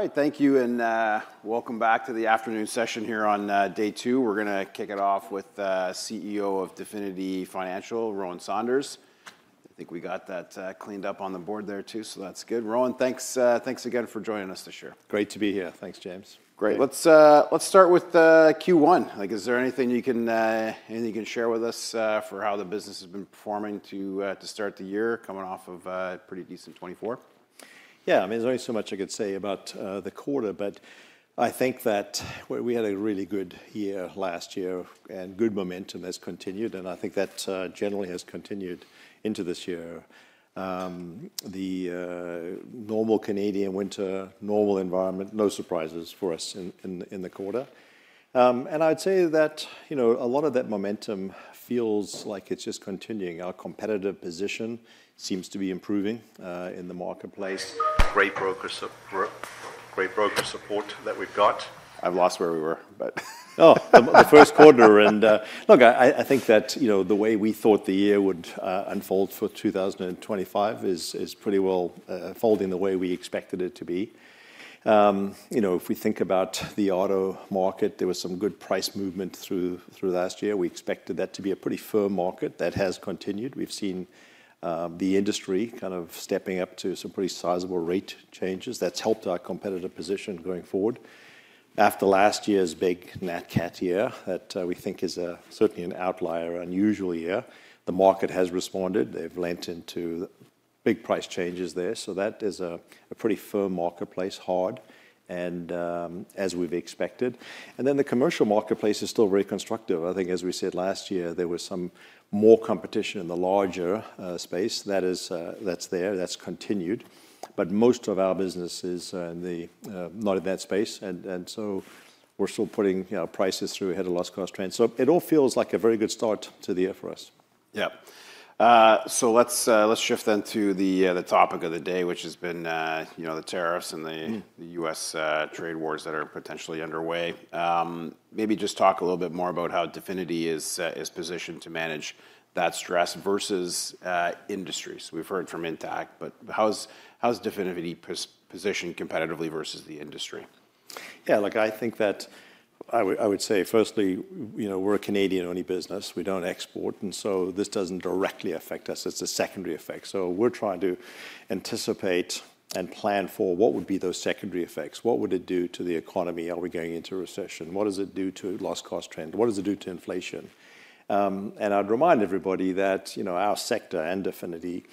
All right, thank you, and welcome back to the afternoon session here on day two. We're going to kick it off with CEO of Definity Financial, Rowan Saunders. I think we got that cleaned up on the board there too, so that's good. Rowan, thanks again for joining us this year. Great to be here. Thanks, James. Great. Let's start with Q1. Is there anything you can share with us for how the business has been performing to start the year coming off of a pretty decent 2024? Yeah, I mean, there's only so much I could say about the quarter, but I think that we had a really good year last year, and good momentum has continued, and I think that generally has continued into this year. The normal Canadian winter, normal environment, no surprises for us in the quarter. I would say that a lot of that momentum feels like it's just continuing. Our competitive position seems to be improving in the marketplace. Great broker support that we've got. I've lost where we were, but. Oh, the first quarter. Look, I think that the way we thought the year would unfold for 2025 is pretty well folding the way we expected it to be. If we think about the auto market, there was some good price movement through last year. We expected that to be a pretty firm market. That has continued. We've seen the industry kind of stepping up to some pretty sizable rate changes. That's helped our competitive position going forward. After last year's big nat cat year that we think is certainly an outlier, unusual year, the market has responded. They've lent into big price changes there. That is a pretty firm marketplace, hard, and as we've expected. The commercial marketplace is still very constructive. I think, as we said last year, there was some more competition in the larger space. That's there. That's continued. Most of our business is not in that space, and so we're still putting prices through ahead of loss cost trend. It all feels like a very good start to the year for us. Yeah. Let's shift then to the topic of the day, which has been the tariffs and the US trade wars that are potentially underway. Maybe just talk a little bit more about how Definity is positioned to manage that stress versus industries. We've heard from Intact, but how's Definity positioned competitively versus the industry? Yeah, look, I think that I would say, firstly, we're a Canadian-only business. We don't export, and this doesn't directly affect us. It's a secondary effect. We're trying to anticipate and plan for what would be those secondary effects. What would it do to the economy? Are we going into a recession? What does it do to loss cost trend? What does it do to inflation? I'd remind everybody that our sector and Definity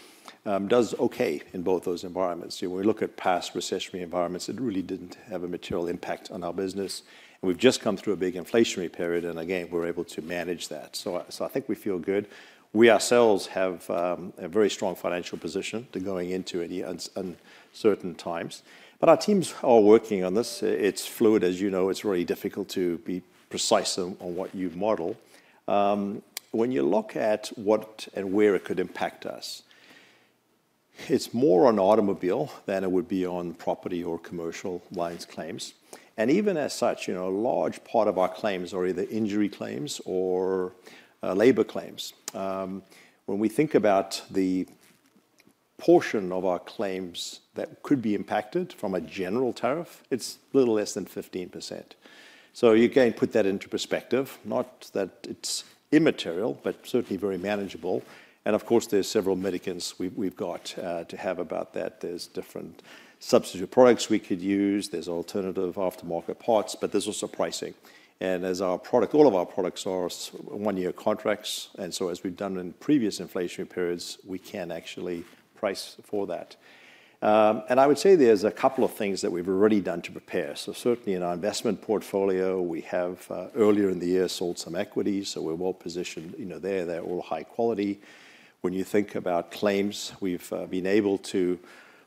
does okay in both those environments. When we look at past recessionary environments, it really didn't have a material impact on our business. We've just come through a big inflationary period, and again, we're able to manage that. I think we feel good. We ourselves have a very strong financial position going into any uncertain times. Our teams are working on this. It's fluid, as you know. It's really difficult to be precise on what you model. When you look at what and where it could impact us, it's more on automobile than it would be on property or commercial lines claims. Even as such, a large part of our claims are either injury claims or labor claims. When we think about the portion of our claims that could be impacted from a general tariff, it's a little less than 15%. You can put that into perspective. Not that it's immaterial, but certainly very manageable. Of course, there are several mitigants we've got to have about that. There are different substitute products we could use. There are alternative aftermarket parts, but there is also pricing. As our product, all of our products are one-year contracts, and as we've done in previous inflationary periods, we can actually price for that. I would say there's a couple of things that we've already done to prepare. Certainly in our investment portfolio, we have earlier in the year sold some equity, so we're well positioned there. They're all high quality. When you think about claims, we've been able to,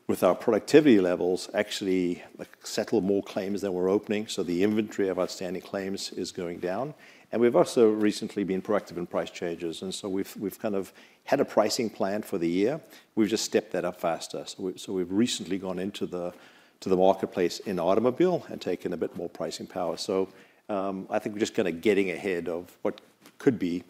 with our productivity levels, actually settle more claims than we're opening. The inventory of outstanding claims is going down. We've also recently been proactive in price changes. We've kind of had a pricing plan for the year. We've just stepped that up faster. We've recently gone into the marketplace in automobile and taken a bit more pricing power. I think we're just kind of getting ahead of what could be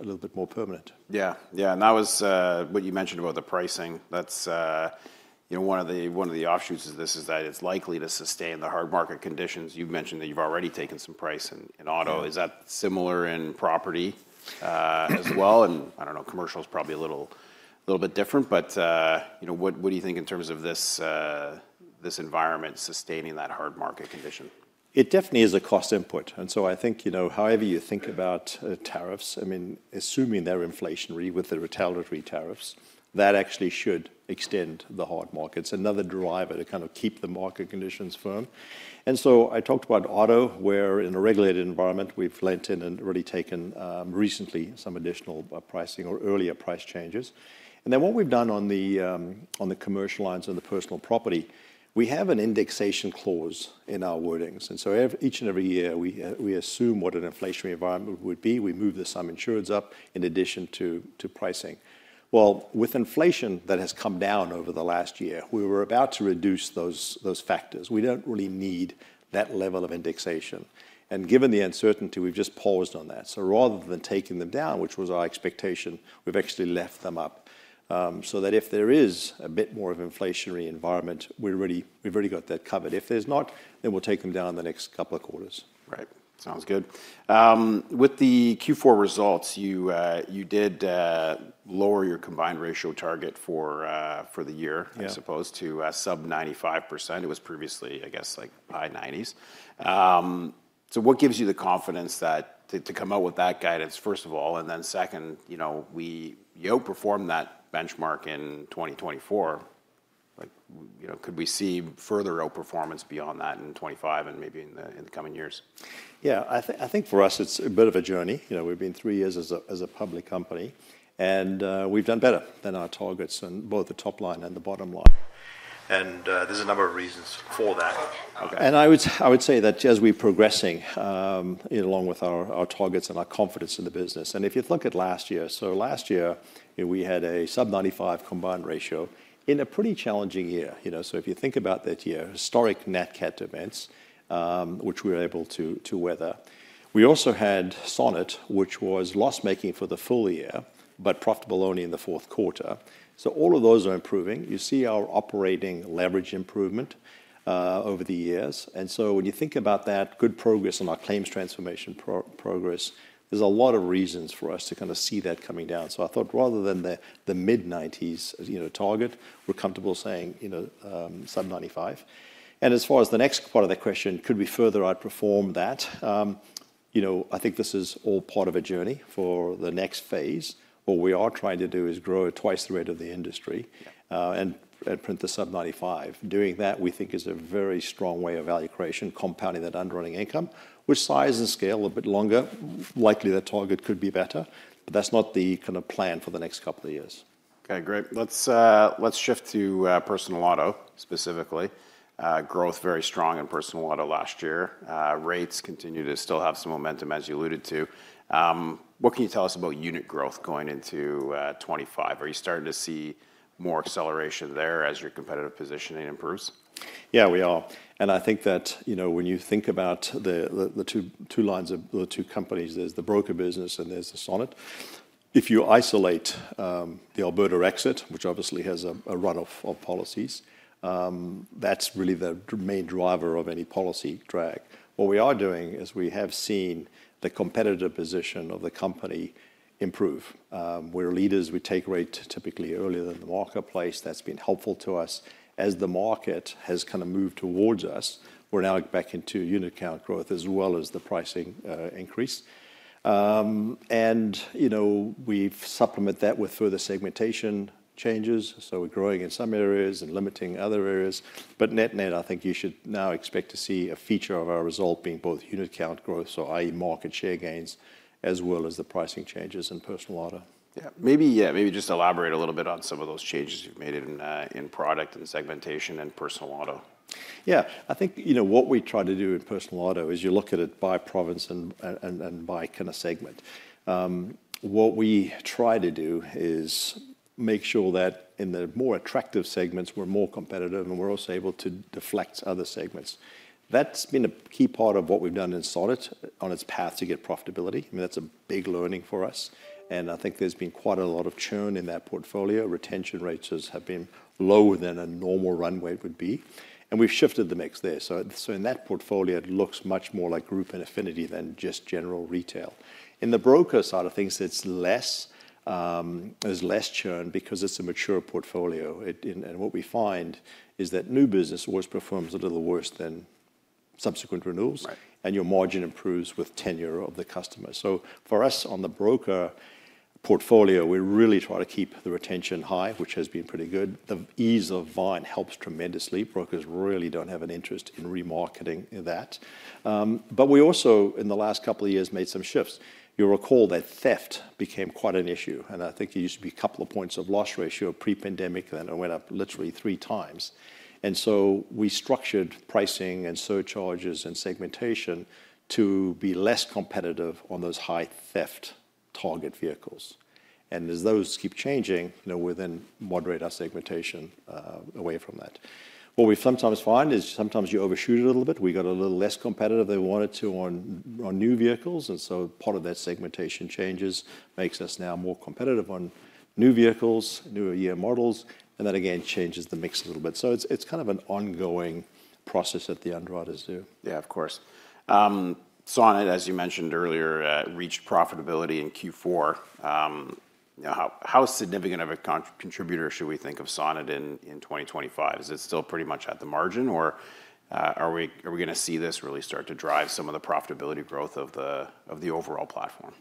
a little bit more permanent. Yeah, yeah. That was what you mentioned about the pricing. That's one of the offshoots of this is that it's likely to sustain the hard market conditions. You've mentioned that you've already taken some price in auto. Is that similar in property as well? I don't know, commercial is probably a little bit different, but what do you think in terms of this environment sustaining that hard market condition? It definitely is a cost input. I think however you think about tariffs, I mean, assuming they're inflationary with the retaliatory tariffs, that actually should extend the hard markets. Another driver to kind of keep the market conditions firm. I talked about auto, where in a regulated environment, we've lent in and really taken recently some additional pricing or earlier price changes. What we've done on the commercial lines and the personal property, we have an indexation clause in our wordings. Each and every year, we assume what an inflationary environment would be. We move the sum insureds up in addition to pricing. With inflation that has come down over the last year, we were about to reduce those factors. We don't really need that level of indexation. Given the uncertainty, we've just paused on that. Rather than taking them down, which was our expectation, we've actually left them up so that if there is a bit more of an inflationary environment, we've already got that covered. If there's not, then we'll take them down in the next couple of quarters. Right. Sounds good. With the Q4 results, you did lower your combined ratio target for the year, I suppose, to sub-95%. It was previously, I guess, like high 90s. What gives you the confidence to come out with that guidance, first of all? Then second, you outperformed that benchmark in 2024. Could we see further outperformance beyond that in 2025 and maybe in the coming years? Yeah, I think for us, it's a bit of a journey. We've been three years as a public company, and we've done better than our targets in both the top line and the bottom line. There is a number of reasons for that. I would say that as we're progressing along with our targets and our confidence in the business. If you look at last year, last year, we had a sub-95% combined ratio in a pretty challenging year. If you think about that year, historic nat cat events, which we were able to weather. We also had Sonnet, which was loss-making for the full year, but profitable only in the fourth quarter. All of those are improving. You see our operating leverage improvement over the years. When you think about that, good progress on our claims transformation progress, there's a lot of reasons for us to kind of see that coming down. I thought rather than the mid-90s target, we're comfortable saying sub-95%. As far as the next part of the question, could we further outperform that? I think this is all part of a journey for the next phase. What we are trying to do is grow twice the rate of the industry and print the sub-95. Doing that, we think, is a very strong way of value creation, compounding that underlying income, which size and scale a bit longer. Likely that target could be better, but that's not the kind of plan for the next couple of years. Okay, great. Let's shift to personal auto specifically. Growth very strong in personal auto last year. Rates continue to still have some momentum, as you alluded to. What can you tell us about unit growth going into 2025? Are you starting to see more acceleration there as your competitive positioning improves? Yeah, we are. I think that when you think about the two lines of the two companies, there's the broker business and there's the Sonnet. If you isolate the Alberta exit, which obviously has a run of policies, that's really the main driver of any policy drag. What we are doing is we have seen the competitive position of the company improve. We're leaders. We take rate typically earlier than the marketplace. That's been helpful to us. As the market has kind of moved towards us, we're now back into unit count growth as well as the pricing increase. We've supplemented that with further segmentation changes. We're growing in some areas and limiting other areas. Net-net, I think you should now expect to see a feature of our result being both unit count growth, so i.e., market share gains, as well as the pricing changes in personal auto. Yeah, maybe just elaborate a little bit on some of those changes you've made in product and segmentation and personal auto. Yeah, I think what we try to do in personal auto is you look at it by province and by kind of segment. What we try to do is make sure that in the more attractive segments, we're more competitive, and we're also able to deflect other segments. That's been a key part of what we've done in Sonnet on its path to get profitability. I mean, that's a big learning for us. I think there's been quite a lot of churn in that portfolio. Retention rates have been lower than a normal runway would be. We've shifted the mix there. In that portfolio, it looks much more like Group and Affinity than just general retail. In the broker side of things, there's less churn because it's a mature portfolio. What we find is that new business always performs a little worse than subsequent renewals, and your margin improves with tenure of the customer. For us on the broker portfolio, we really try to keep the retention high, which has been pretty good. The ease of buying helps tremendously. Brokers really don't have an interest in remarketing that. We also, in the last couple of years, made some shifts. You'll recall that theft became quite an issue. I think there used to be a couple of points of loss ratio pre-pandemic, and then it went up literally three times. We structured pricing and surcharges and segmentation to be less competitive on those high theft target vehicles. As those keep changing, we then moderate our segmentation away from that. What we sometimes find is sometimes you overshoot it a little bit. We got a little less competitive than we wanted to on new vehicles. Part of that segmentation changes makes us now more competitive on new vehicles, newer year models, and that again changes the mix a little bit. It is kind of an ongoing process that the underwriters do. Yeah, of course. Sonnet, as you mentioned earlier, reached profitability in Q4. How significant of a contributor should we think of Sonnet in 2025? Is it still pretty much at the margin, or are we going to see this really start to drive some of the profitability growth of the overall platform?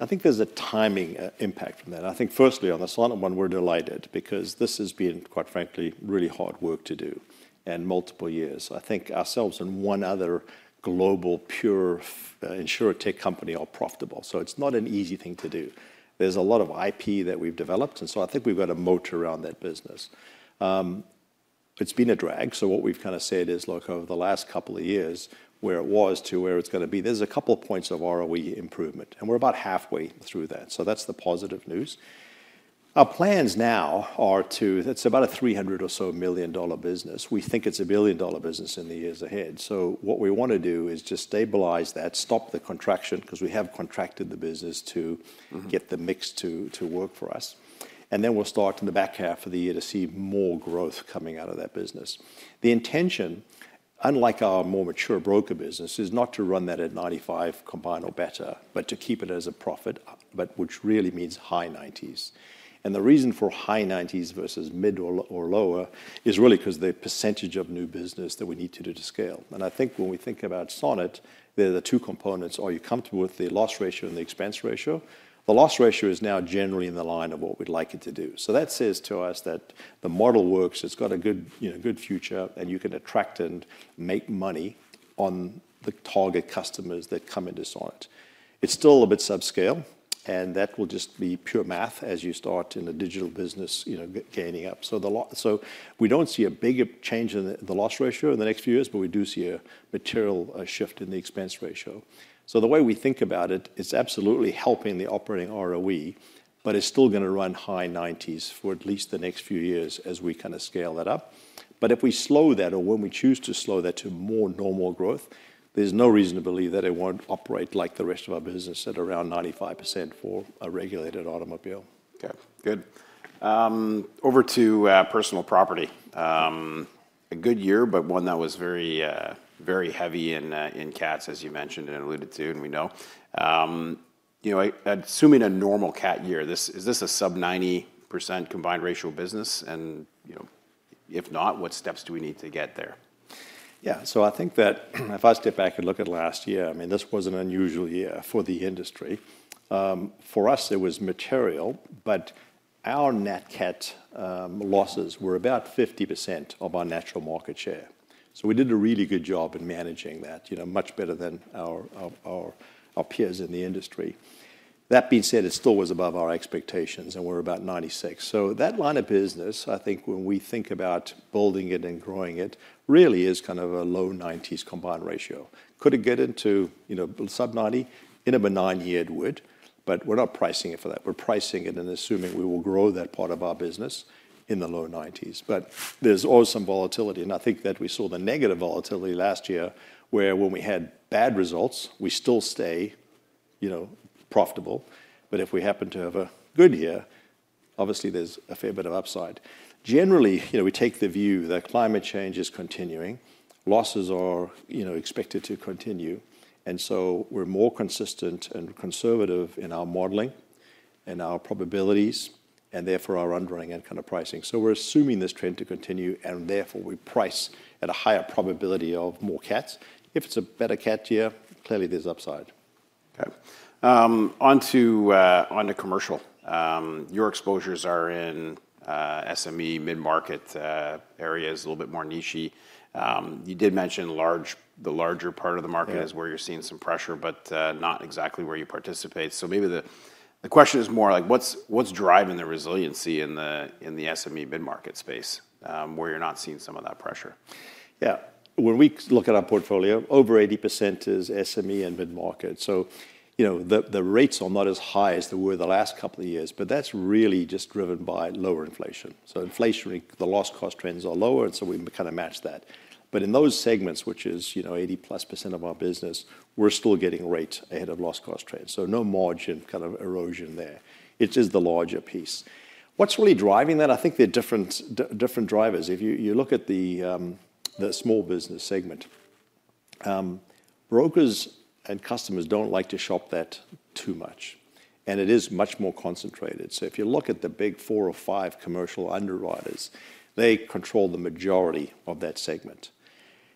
I think there's a timing impact from that. I think, firstly, on the Sonnet one, we're delighted because this has been, quite frankly, really hard work to do in multiple years. I think ourselves and one other global pure insurertech company are profitable. So it's not an easy thing to do. There's a lot of IP that we've developed, and so I think we've got to motor around that business. It's been a drag. What we've kind of said is, look, over the last couple of years, where it was to where it's going to be, there's a couple of points of ROE improvement, and we're about halfway through that. That's the positive news. Our plans now are to, it's about a 300 million or so business. We think it's a billion-dollar business in the years ahead. What we want to do is just stabilize that, stop the contraction because we have contracted the business to get the mix to work for us. Then we'll start in the back half of the year to see more growth coming out of that business. The intention, unlike our more mature broker business, is not to run that at 95 combined or better, but to keep it as a profit, which really means high 90s. The reason for high 90s versus mid or lower is really because the percentage of new business that we need to do to scale. I think when we think about Sonnet, there are the two components. Are you comfortable with the loss ratio and the expense ratio? The loss ratio is now generally in the line of what we'd like it to do. That says to us that the model works, it's got a good future, and you can attract and make money on the target customers that come into Sonnet. It's still a bit subscale, and that will just be pure math as you start in a digital business gaining up. We don't see a bigger change in the loss ratio in the next few years, but we do see a material shift in the expense ratio. The way we think about it, it's absolutely helping the operating ROE, but it's still going to run high 90s for at least the next few years as we kind of scale that up. If we slow that or when we choose to slow that to more normal growth, there's no reason to believe that it won't operate like the rest of our business at around 95% for a regulated automobile. Okay, good. Over to personal property. A good year, but one that was very heavy in cats, as you mentioned and alluded to, and we know. Assuming a normal cat year, is this a sub-90% combined ratio business? If not, what steps do we need to get there? Yeah, so I think that if I step back and look at last year, I mean, this wasn't an unusual year for the industry. For us, it was material, but our nat cat losses were about 50% of our natural market share. We did a really good job in managing that, much better than our peers in the industry. That being said, it still was above our expectations, and we're about 96. That line of business, I think when we think about building it and growing it, really is kind of a low 90s combined ratio. Could it get into sub-90? In a benign year, it would, but we're not pricing it for that. We're pricing it and assuming we will grow that part of our business in the low 90s. There is also some volatility. I think that we saw the negative volatility last year where when we had bad results, we still stay profitable. If we happen to have a good year, obviously there's a fair bit of upside. Generally, we take the view that climate change is continuing, losses are expected to continue, and so we're more consistent and conservative in our modeling and our probabilities and therefore our underlying and kind of pricing. We are assuming this trend to continue, and therefore we price at a higher probability of more cats. If it's a better cat year, clearly there's upside. Okay. Onto commercial. Your exposures are in SME mid-market areas, a little bit more nichy. You did mention the larger part of the market is where you're seeing some pressure, but not exactly where you participate. Maybe the question is more like what's driving the resiliency in the SME mid-market space where you're not seeing some of that pressure? Yeah. When we look at our portfolio, over 80% is SME and mid-market. The rates are not as high as they were the last couple of years, but that's really just driven by lower inflation. Inflation, the loss cost trends are lower, and we can kind of match that. In those segments, which is 80% plus of our business, we're still getting rate ahead of loss cost trends. No margin kind of erosion there. It is the larger piece. What's really driving that? I think there are different drivers. If you look at the small business segment, brokers and customers do not like to shop that too much, and it is much more concentrated. If you look at the big four or five commercial underwriters, they control the majority of that segment.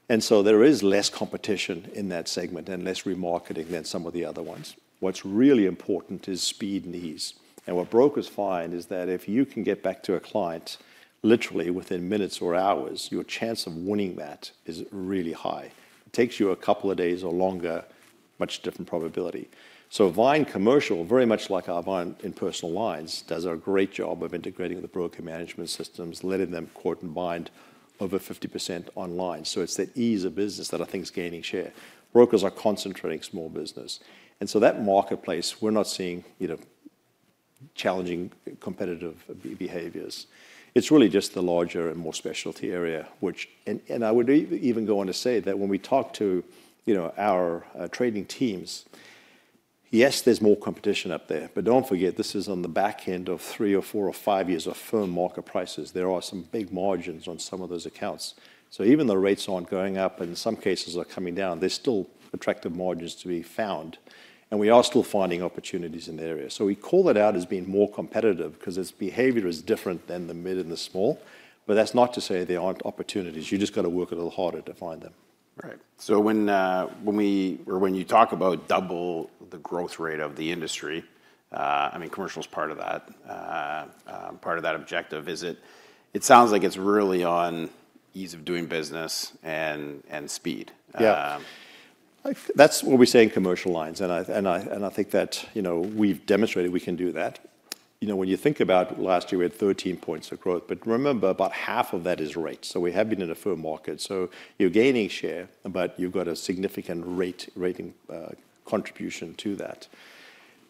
There is less competition in that segment and less remarketing than some of the other ones. What's really important is speed and ease. What brokers find is that if you can get back to a client literally within minutes or hours, your chance of winning that is really high. If it takes you a couple of days or longer, much different probability. Vyne Commercial, very much like our Vyne in personal lines, does a great job of integrating the broker management systems, letting them quote and bind over 50% online. It is that ease of business that I think is gaining share. Brokers are concentrating small business. In that marketplace, we're not seeing challenging competitive behaviors. It's really just the larger and more specialty area, which, and I would even go on to say that when we talk to our trading teams, yes, there's more competition up there, but do not forget, this is on the back end of three or four or five years of firm market prices. There are some big margins on some of those accounts. Even though rates are not going up and in some cases are coming down, there are still attractive margins to be found. We are still finding opportunities in the area. We call it out as being more competitive because its behavior is different than the mid and the small, but that is not to say there are not opportunities. You just got to work a little harder to find them. Right. So when you talk about double the growth rate of the industry, I mean, commercial is part of that, part of that objective, is it sounds like it's really on ease of doing business and speed. Yeah. That's what we say in commercial lines. I think that we've demonstrated we can do that. When you think about last year, we had 13 percentage points of growth, but remember about half of that is rate. We have been in a firm market. You're gaining share, but you've got a significant rate rating contribution to that.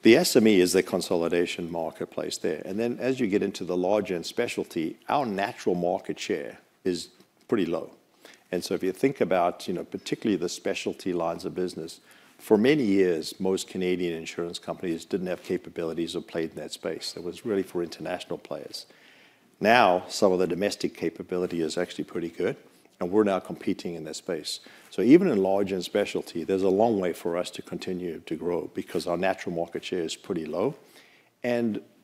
The SME is the consolidation marketplace there. As you get into the large and specialty, our natural market share is pretty low. If you think about particularly the specialty lines of business, for many years, most Canadian insurance companies didn't have capabilities or played in that space. It was really for international players. Now some of the domestic capability is actually pretty good, and we're now competing in that space. Even in large and specialty, there's a long way for us to continue to grow because our natural market share is pretty low.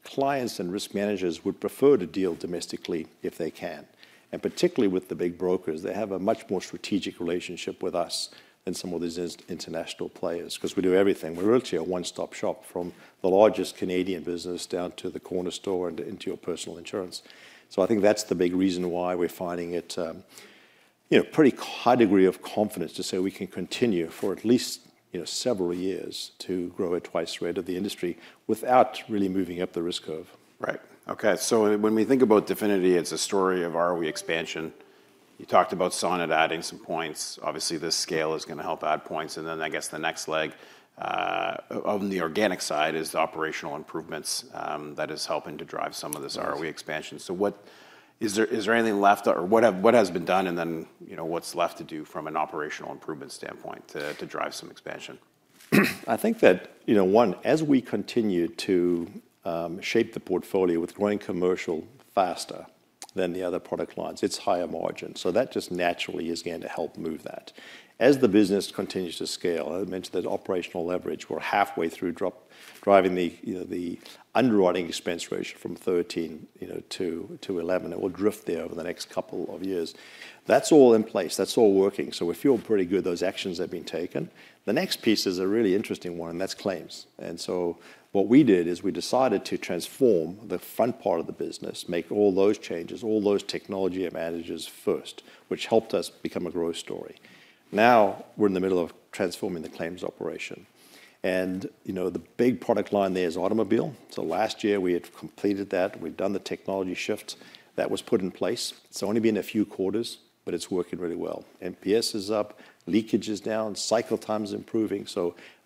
Clients and risk managers would prefer to deal domestically if they can. Particularly with the big brokers, they have a much more strategic relationship with us than some of these international players because we do everything. We're really a one-stop shop from the largest Canadian business down to the corner store and into your personal insurance. I think that's the big reason why we're finding it a pretty high degree of confidence to say we can continue for at least several years to grow at twice rate of the industry without really moving up the risk curve. Right. Okay. When we think about Definity as a story of ROE expansion, you talked about Sonnet adding some points. Obviously, this scale is going to help add points. I guess the next leg on the organic side is the operational improvements that is helping to drive some of this ROE expansion. Is there anything left or what has been done and then what's left to do from an operational improvement standpoint to drive some expansion? I think that, one, as we continue to shape the portfolio with growing commercial faster than the other product lines, it's higher margin. That just naturally is going to help move that. As the business continues to scale, I mentioned that operational leverage, we're halfway through driving the underwriting expense ratio from 13 to 11. It will drift there over the next couple of years. That's all in place. That's all working. We feel pretty good those actions have been taken. The next piece is a really interesting one, and that's claims. What we did is we decided to transform the front part of the business, make all those changes, all those technology advantages first, which helped us become a growth story. Now we're in the middle of transforming the claims operation. The big product line there is automobile. Last year we had completed that. We've done the technology shifts that was put in place. It's only been a few quarters, but it's working really well. NPS is up, leakage is down, cycle time is improving.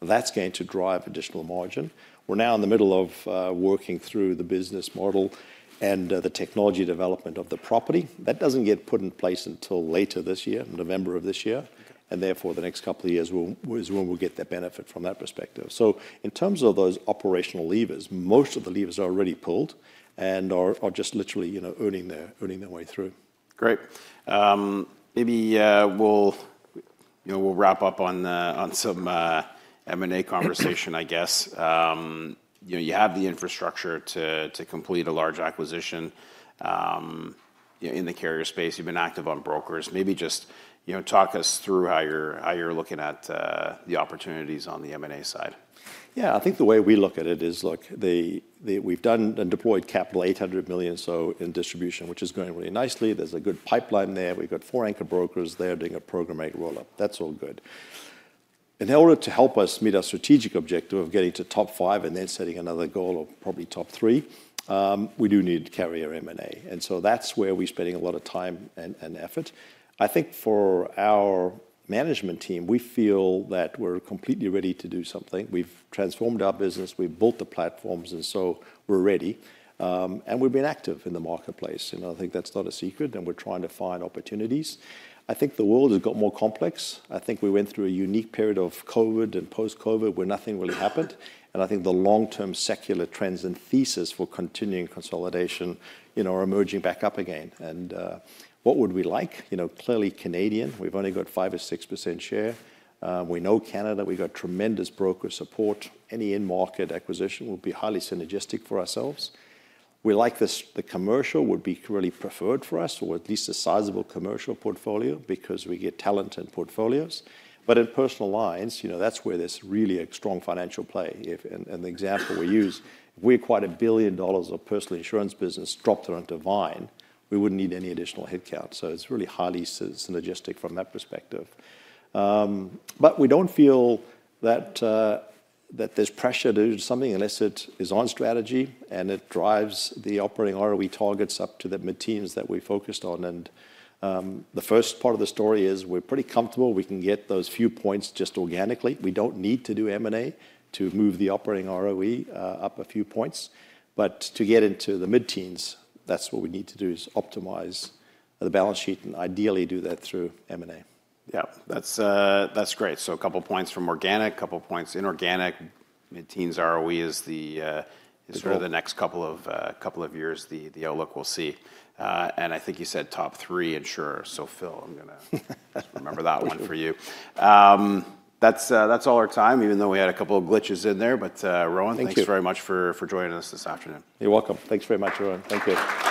That's going to drive additional margin. We're now in the middle of working through the business model and the technology development of the property. That doesn't get put in place until later this year, November of this year. Therefore, the next couple of years is when we'll get that benefit from that perspective. In terms of those operational levers, most of the levers are already pulled and are just literally earning their way through. Great. Maybe we'll wrap up on some M&A conversation, I guess. You have the infrastructure to complete a large acquisition in the carrier space. You've been active on brokers. Maybe just talk us through how you're looking at the opportunities on the M&A side. Yeah, I think the way we look at it is, look, we've done and deployed capital 800 million or so in distribution, which is going really nicely. There's a good pipeline there. We've got four anchor brokers there doing a program roll-up. That's all good. In order to help us meet our strategic objective of getting to top five and then setting another goal of probably top three, we do need carrier M&A. That is where we're spending a lot of time and effort. I think for our management team, we feel that we're completely ready to do something. We've transformed our business. We've built the platforms, and so we're ready. We've been active in the marketplace. I think that's not a secret, and we're trying to find opportunities. I think the world has got more complex. I think we went through a unique period of COVID and post-COVID where nothing really happened. I think the long-term secular trends and thesis for continuing consolidation are emerging back up again. What would we like? Clearly, Canadian. We've only got 5% or 6% share. We know Canada. We've got tremendous broker support. Any in-market acquisition will be highly synergistic for ourselves. We like the commercial would be really preferred for us or at least a sizable commercial portfolio because we get talent and portfolios. In personal lines, that's where there's really a strong financial play. The example we use, if we're quite a billion dollars of personal insurance business dropped onto Vyne, we wouldn't need any additional headcount. It's really highly synergistic from that perspective. We do not feel that there is pressure to do something unless it is on strategy and it drives the operating ROE targets up to the teams that we focused on. The first part of the story is we are pretty comfortable. We can get those few points just organically. We do not need to do M&A to move the operating ROE up a few points. To get into the mid-teens, what we need to do is optimize the balance sheet and ideally do that through M&A. Yeah, that's great. A couple of points from organic, a couple of points inorganic. Mid-teens ROE is sort of the next couple of years the outlook we'll see. I think you said top three insurers. Phil, I'm going to remember that one for you. That's all our time, even though we had a couple of glitches in there. Rowan, thanks very much for joining us this afternoon. You're welcome. Thanks very much, Rowan. Thank you.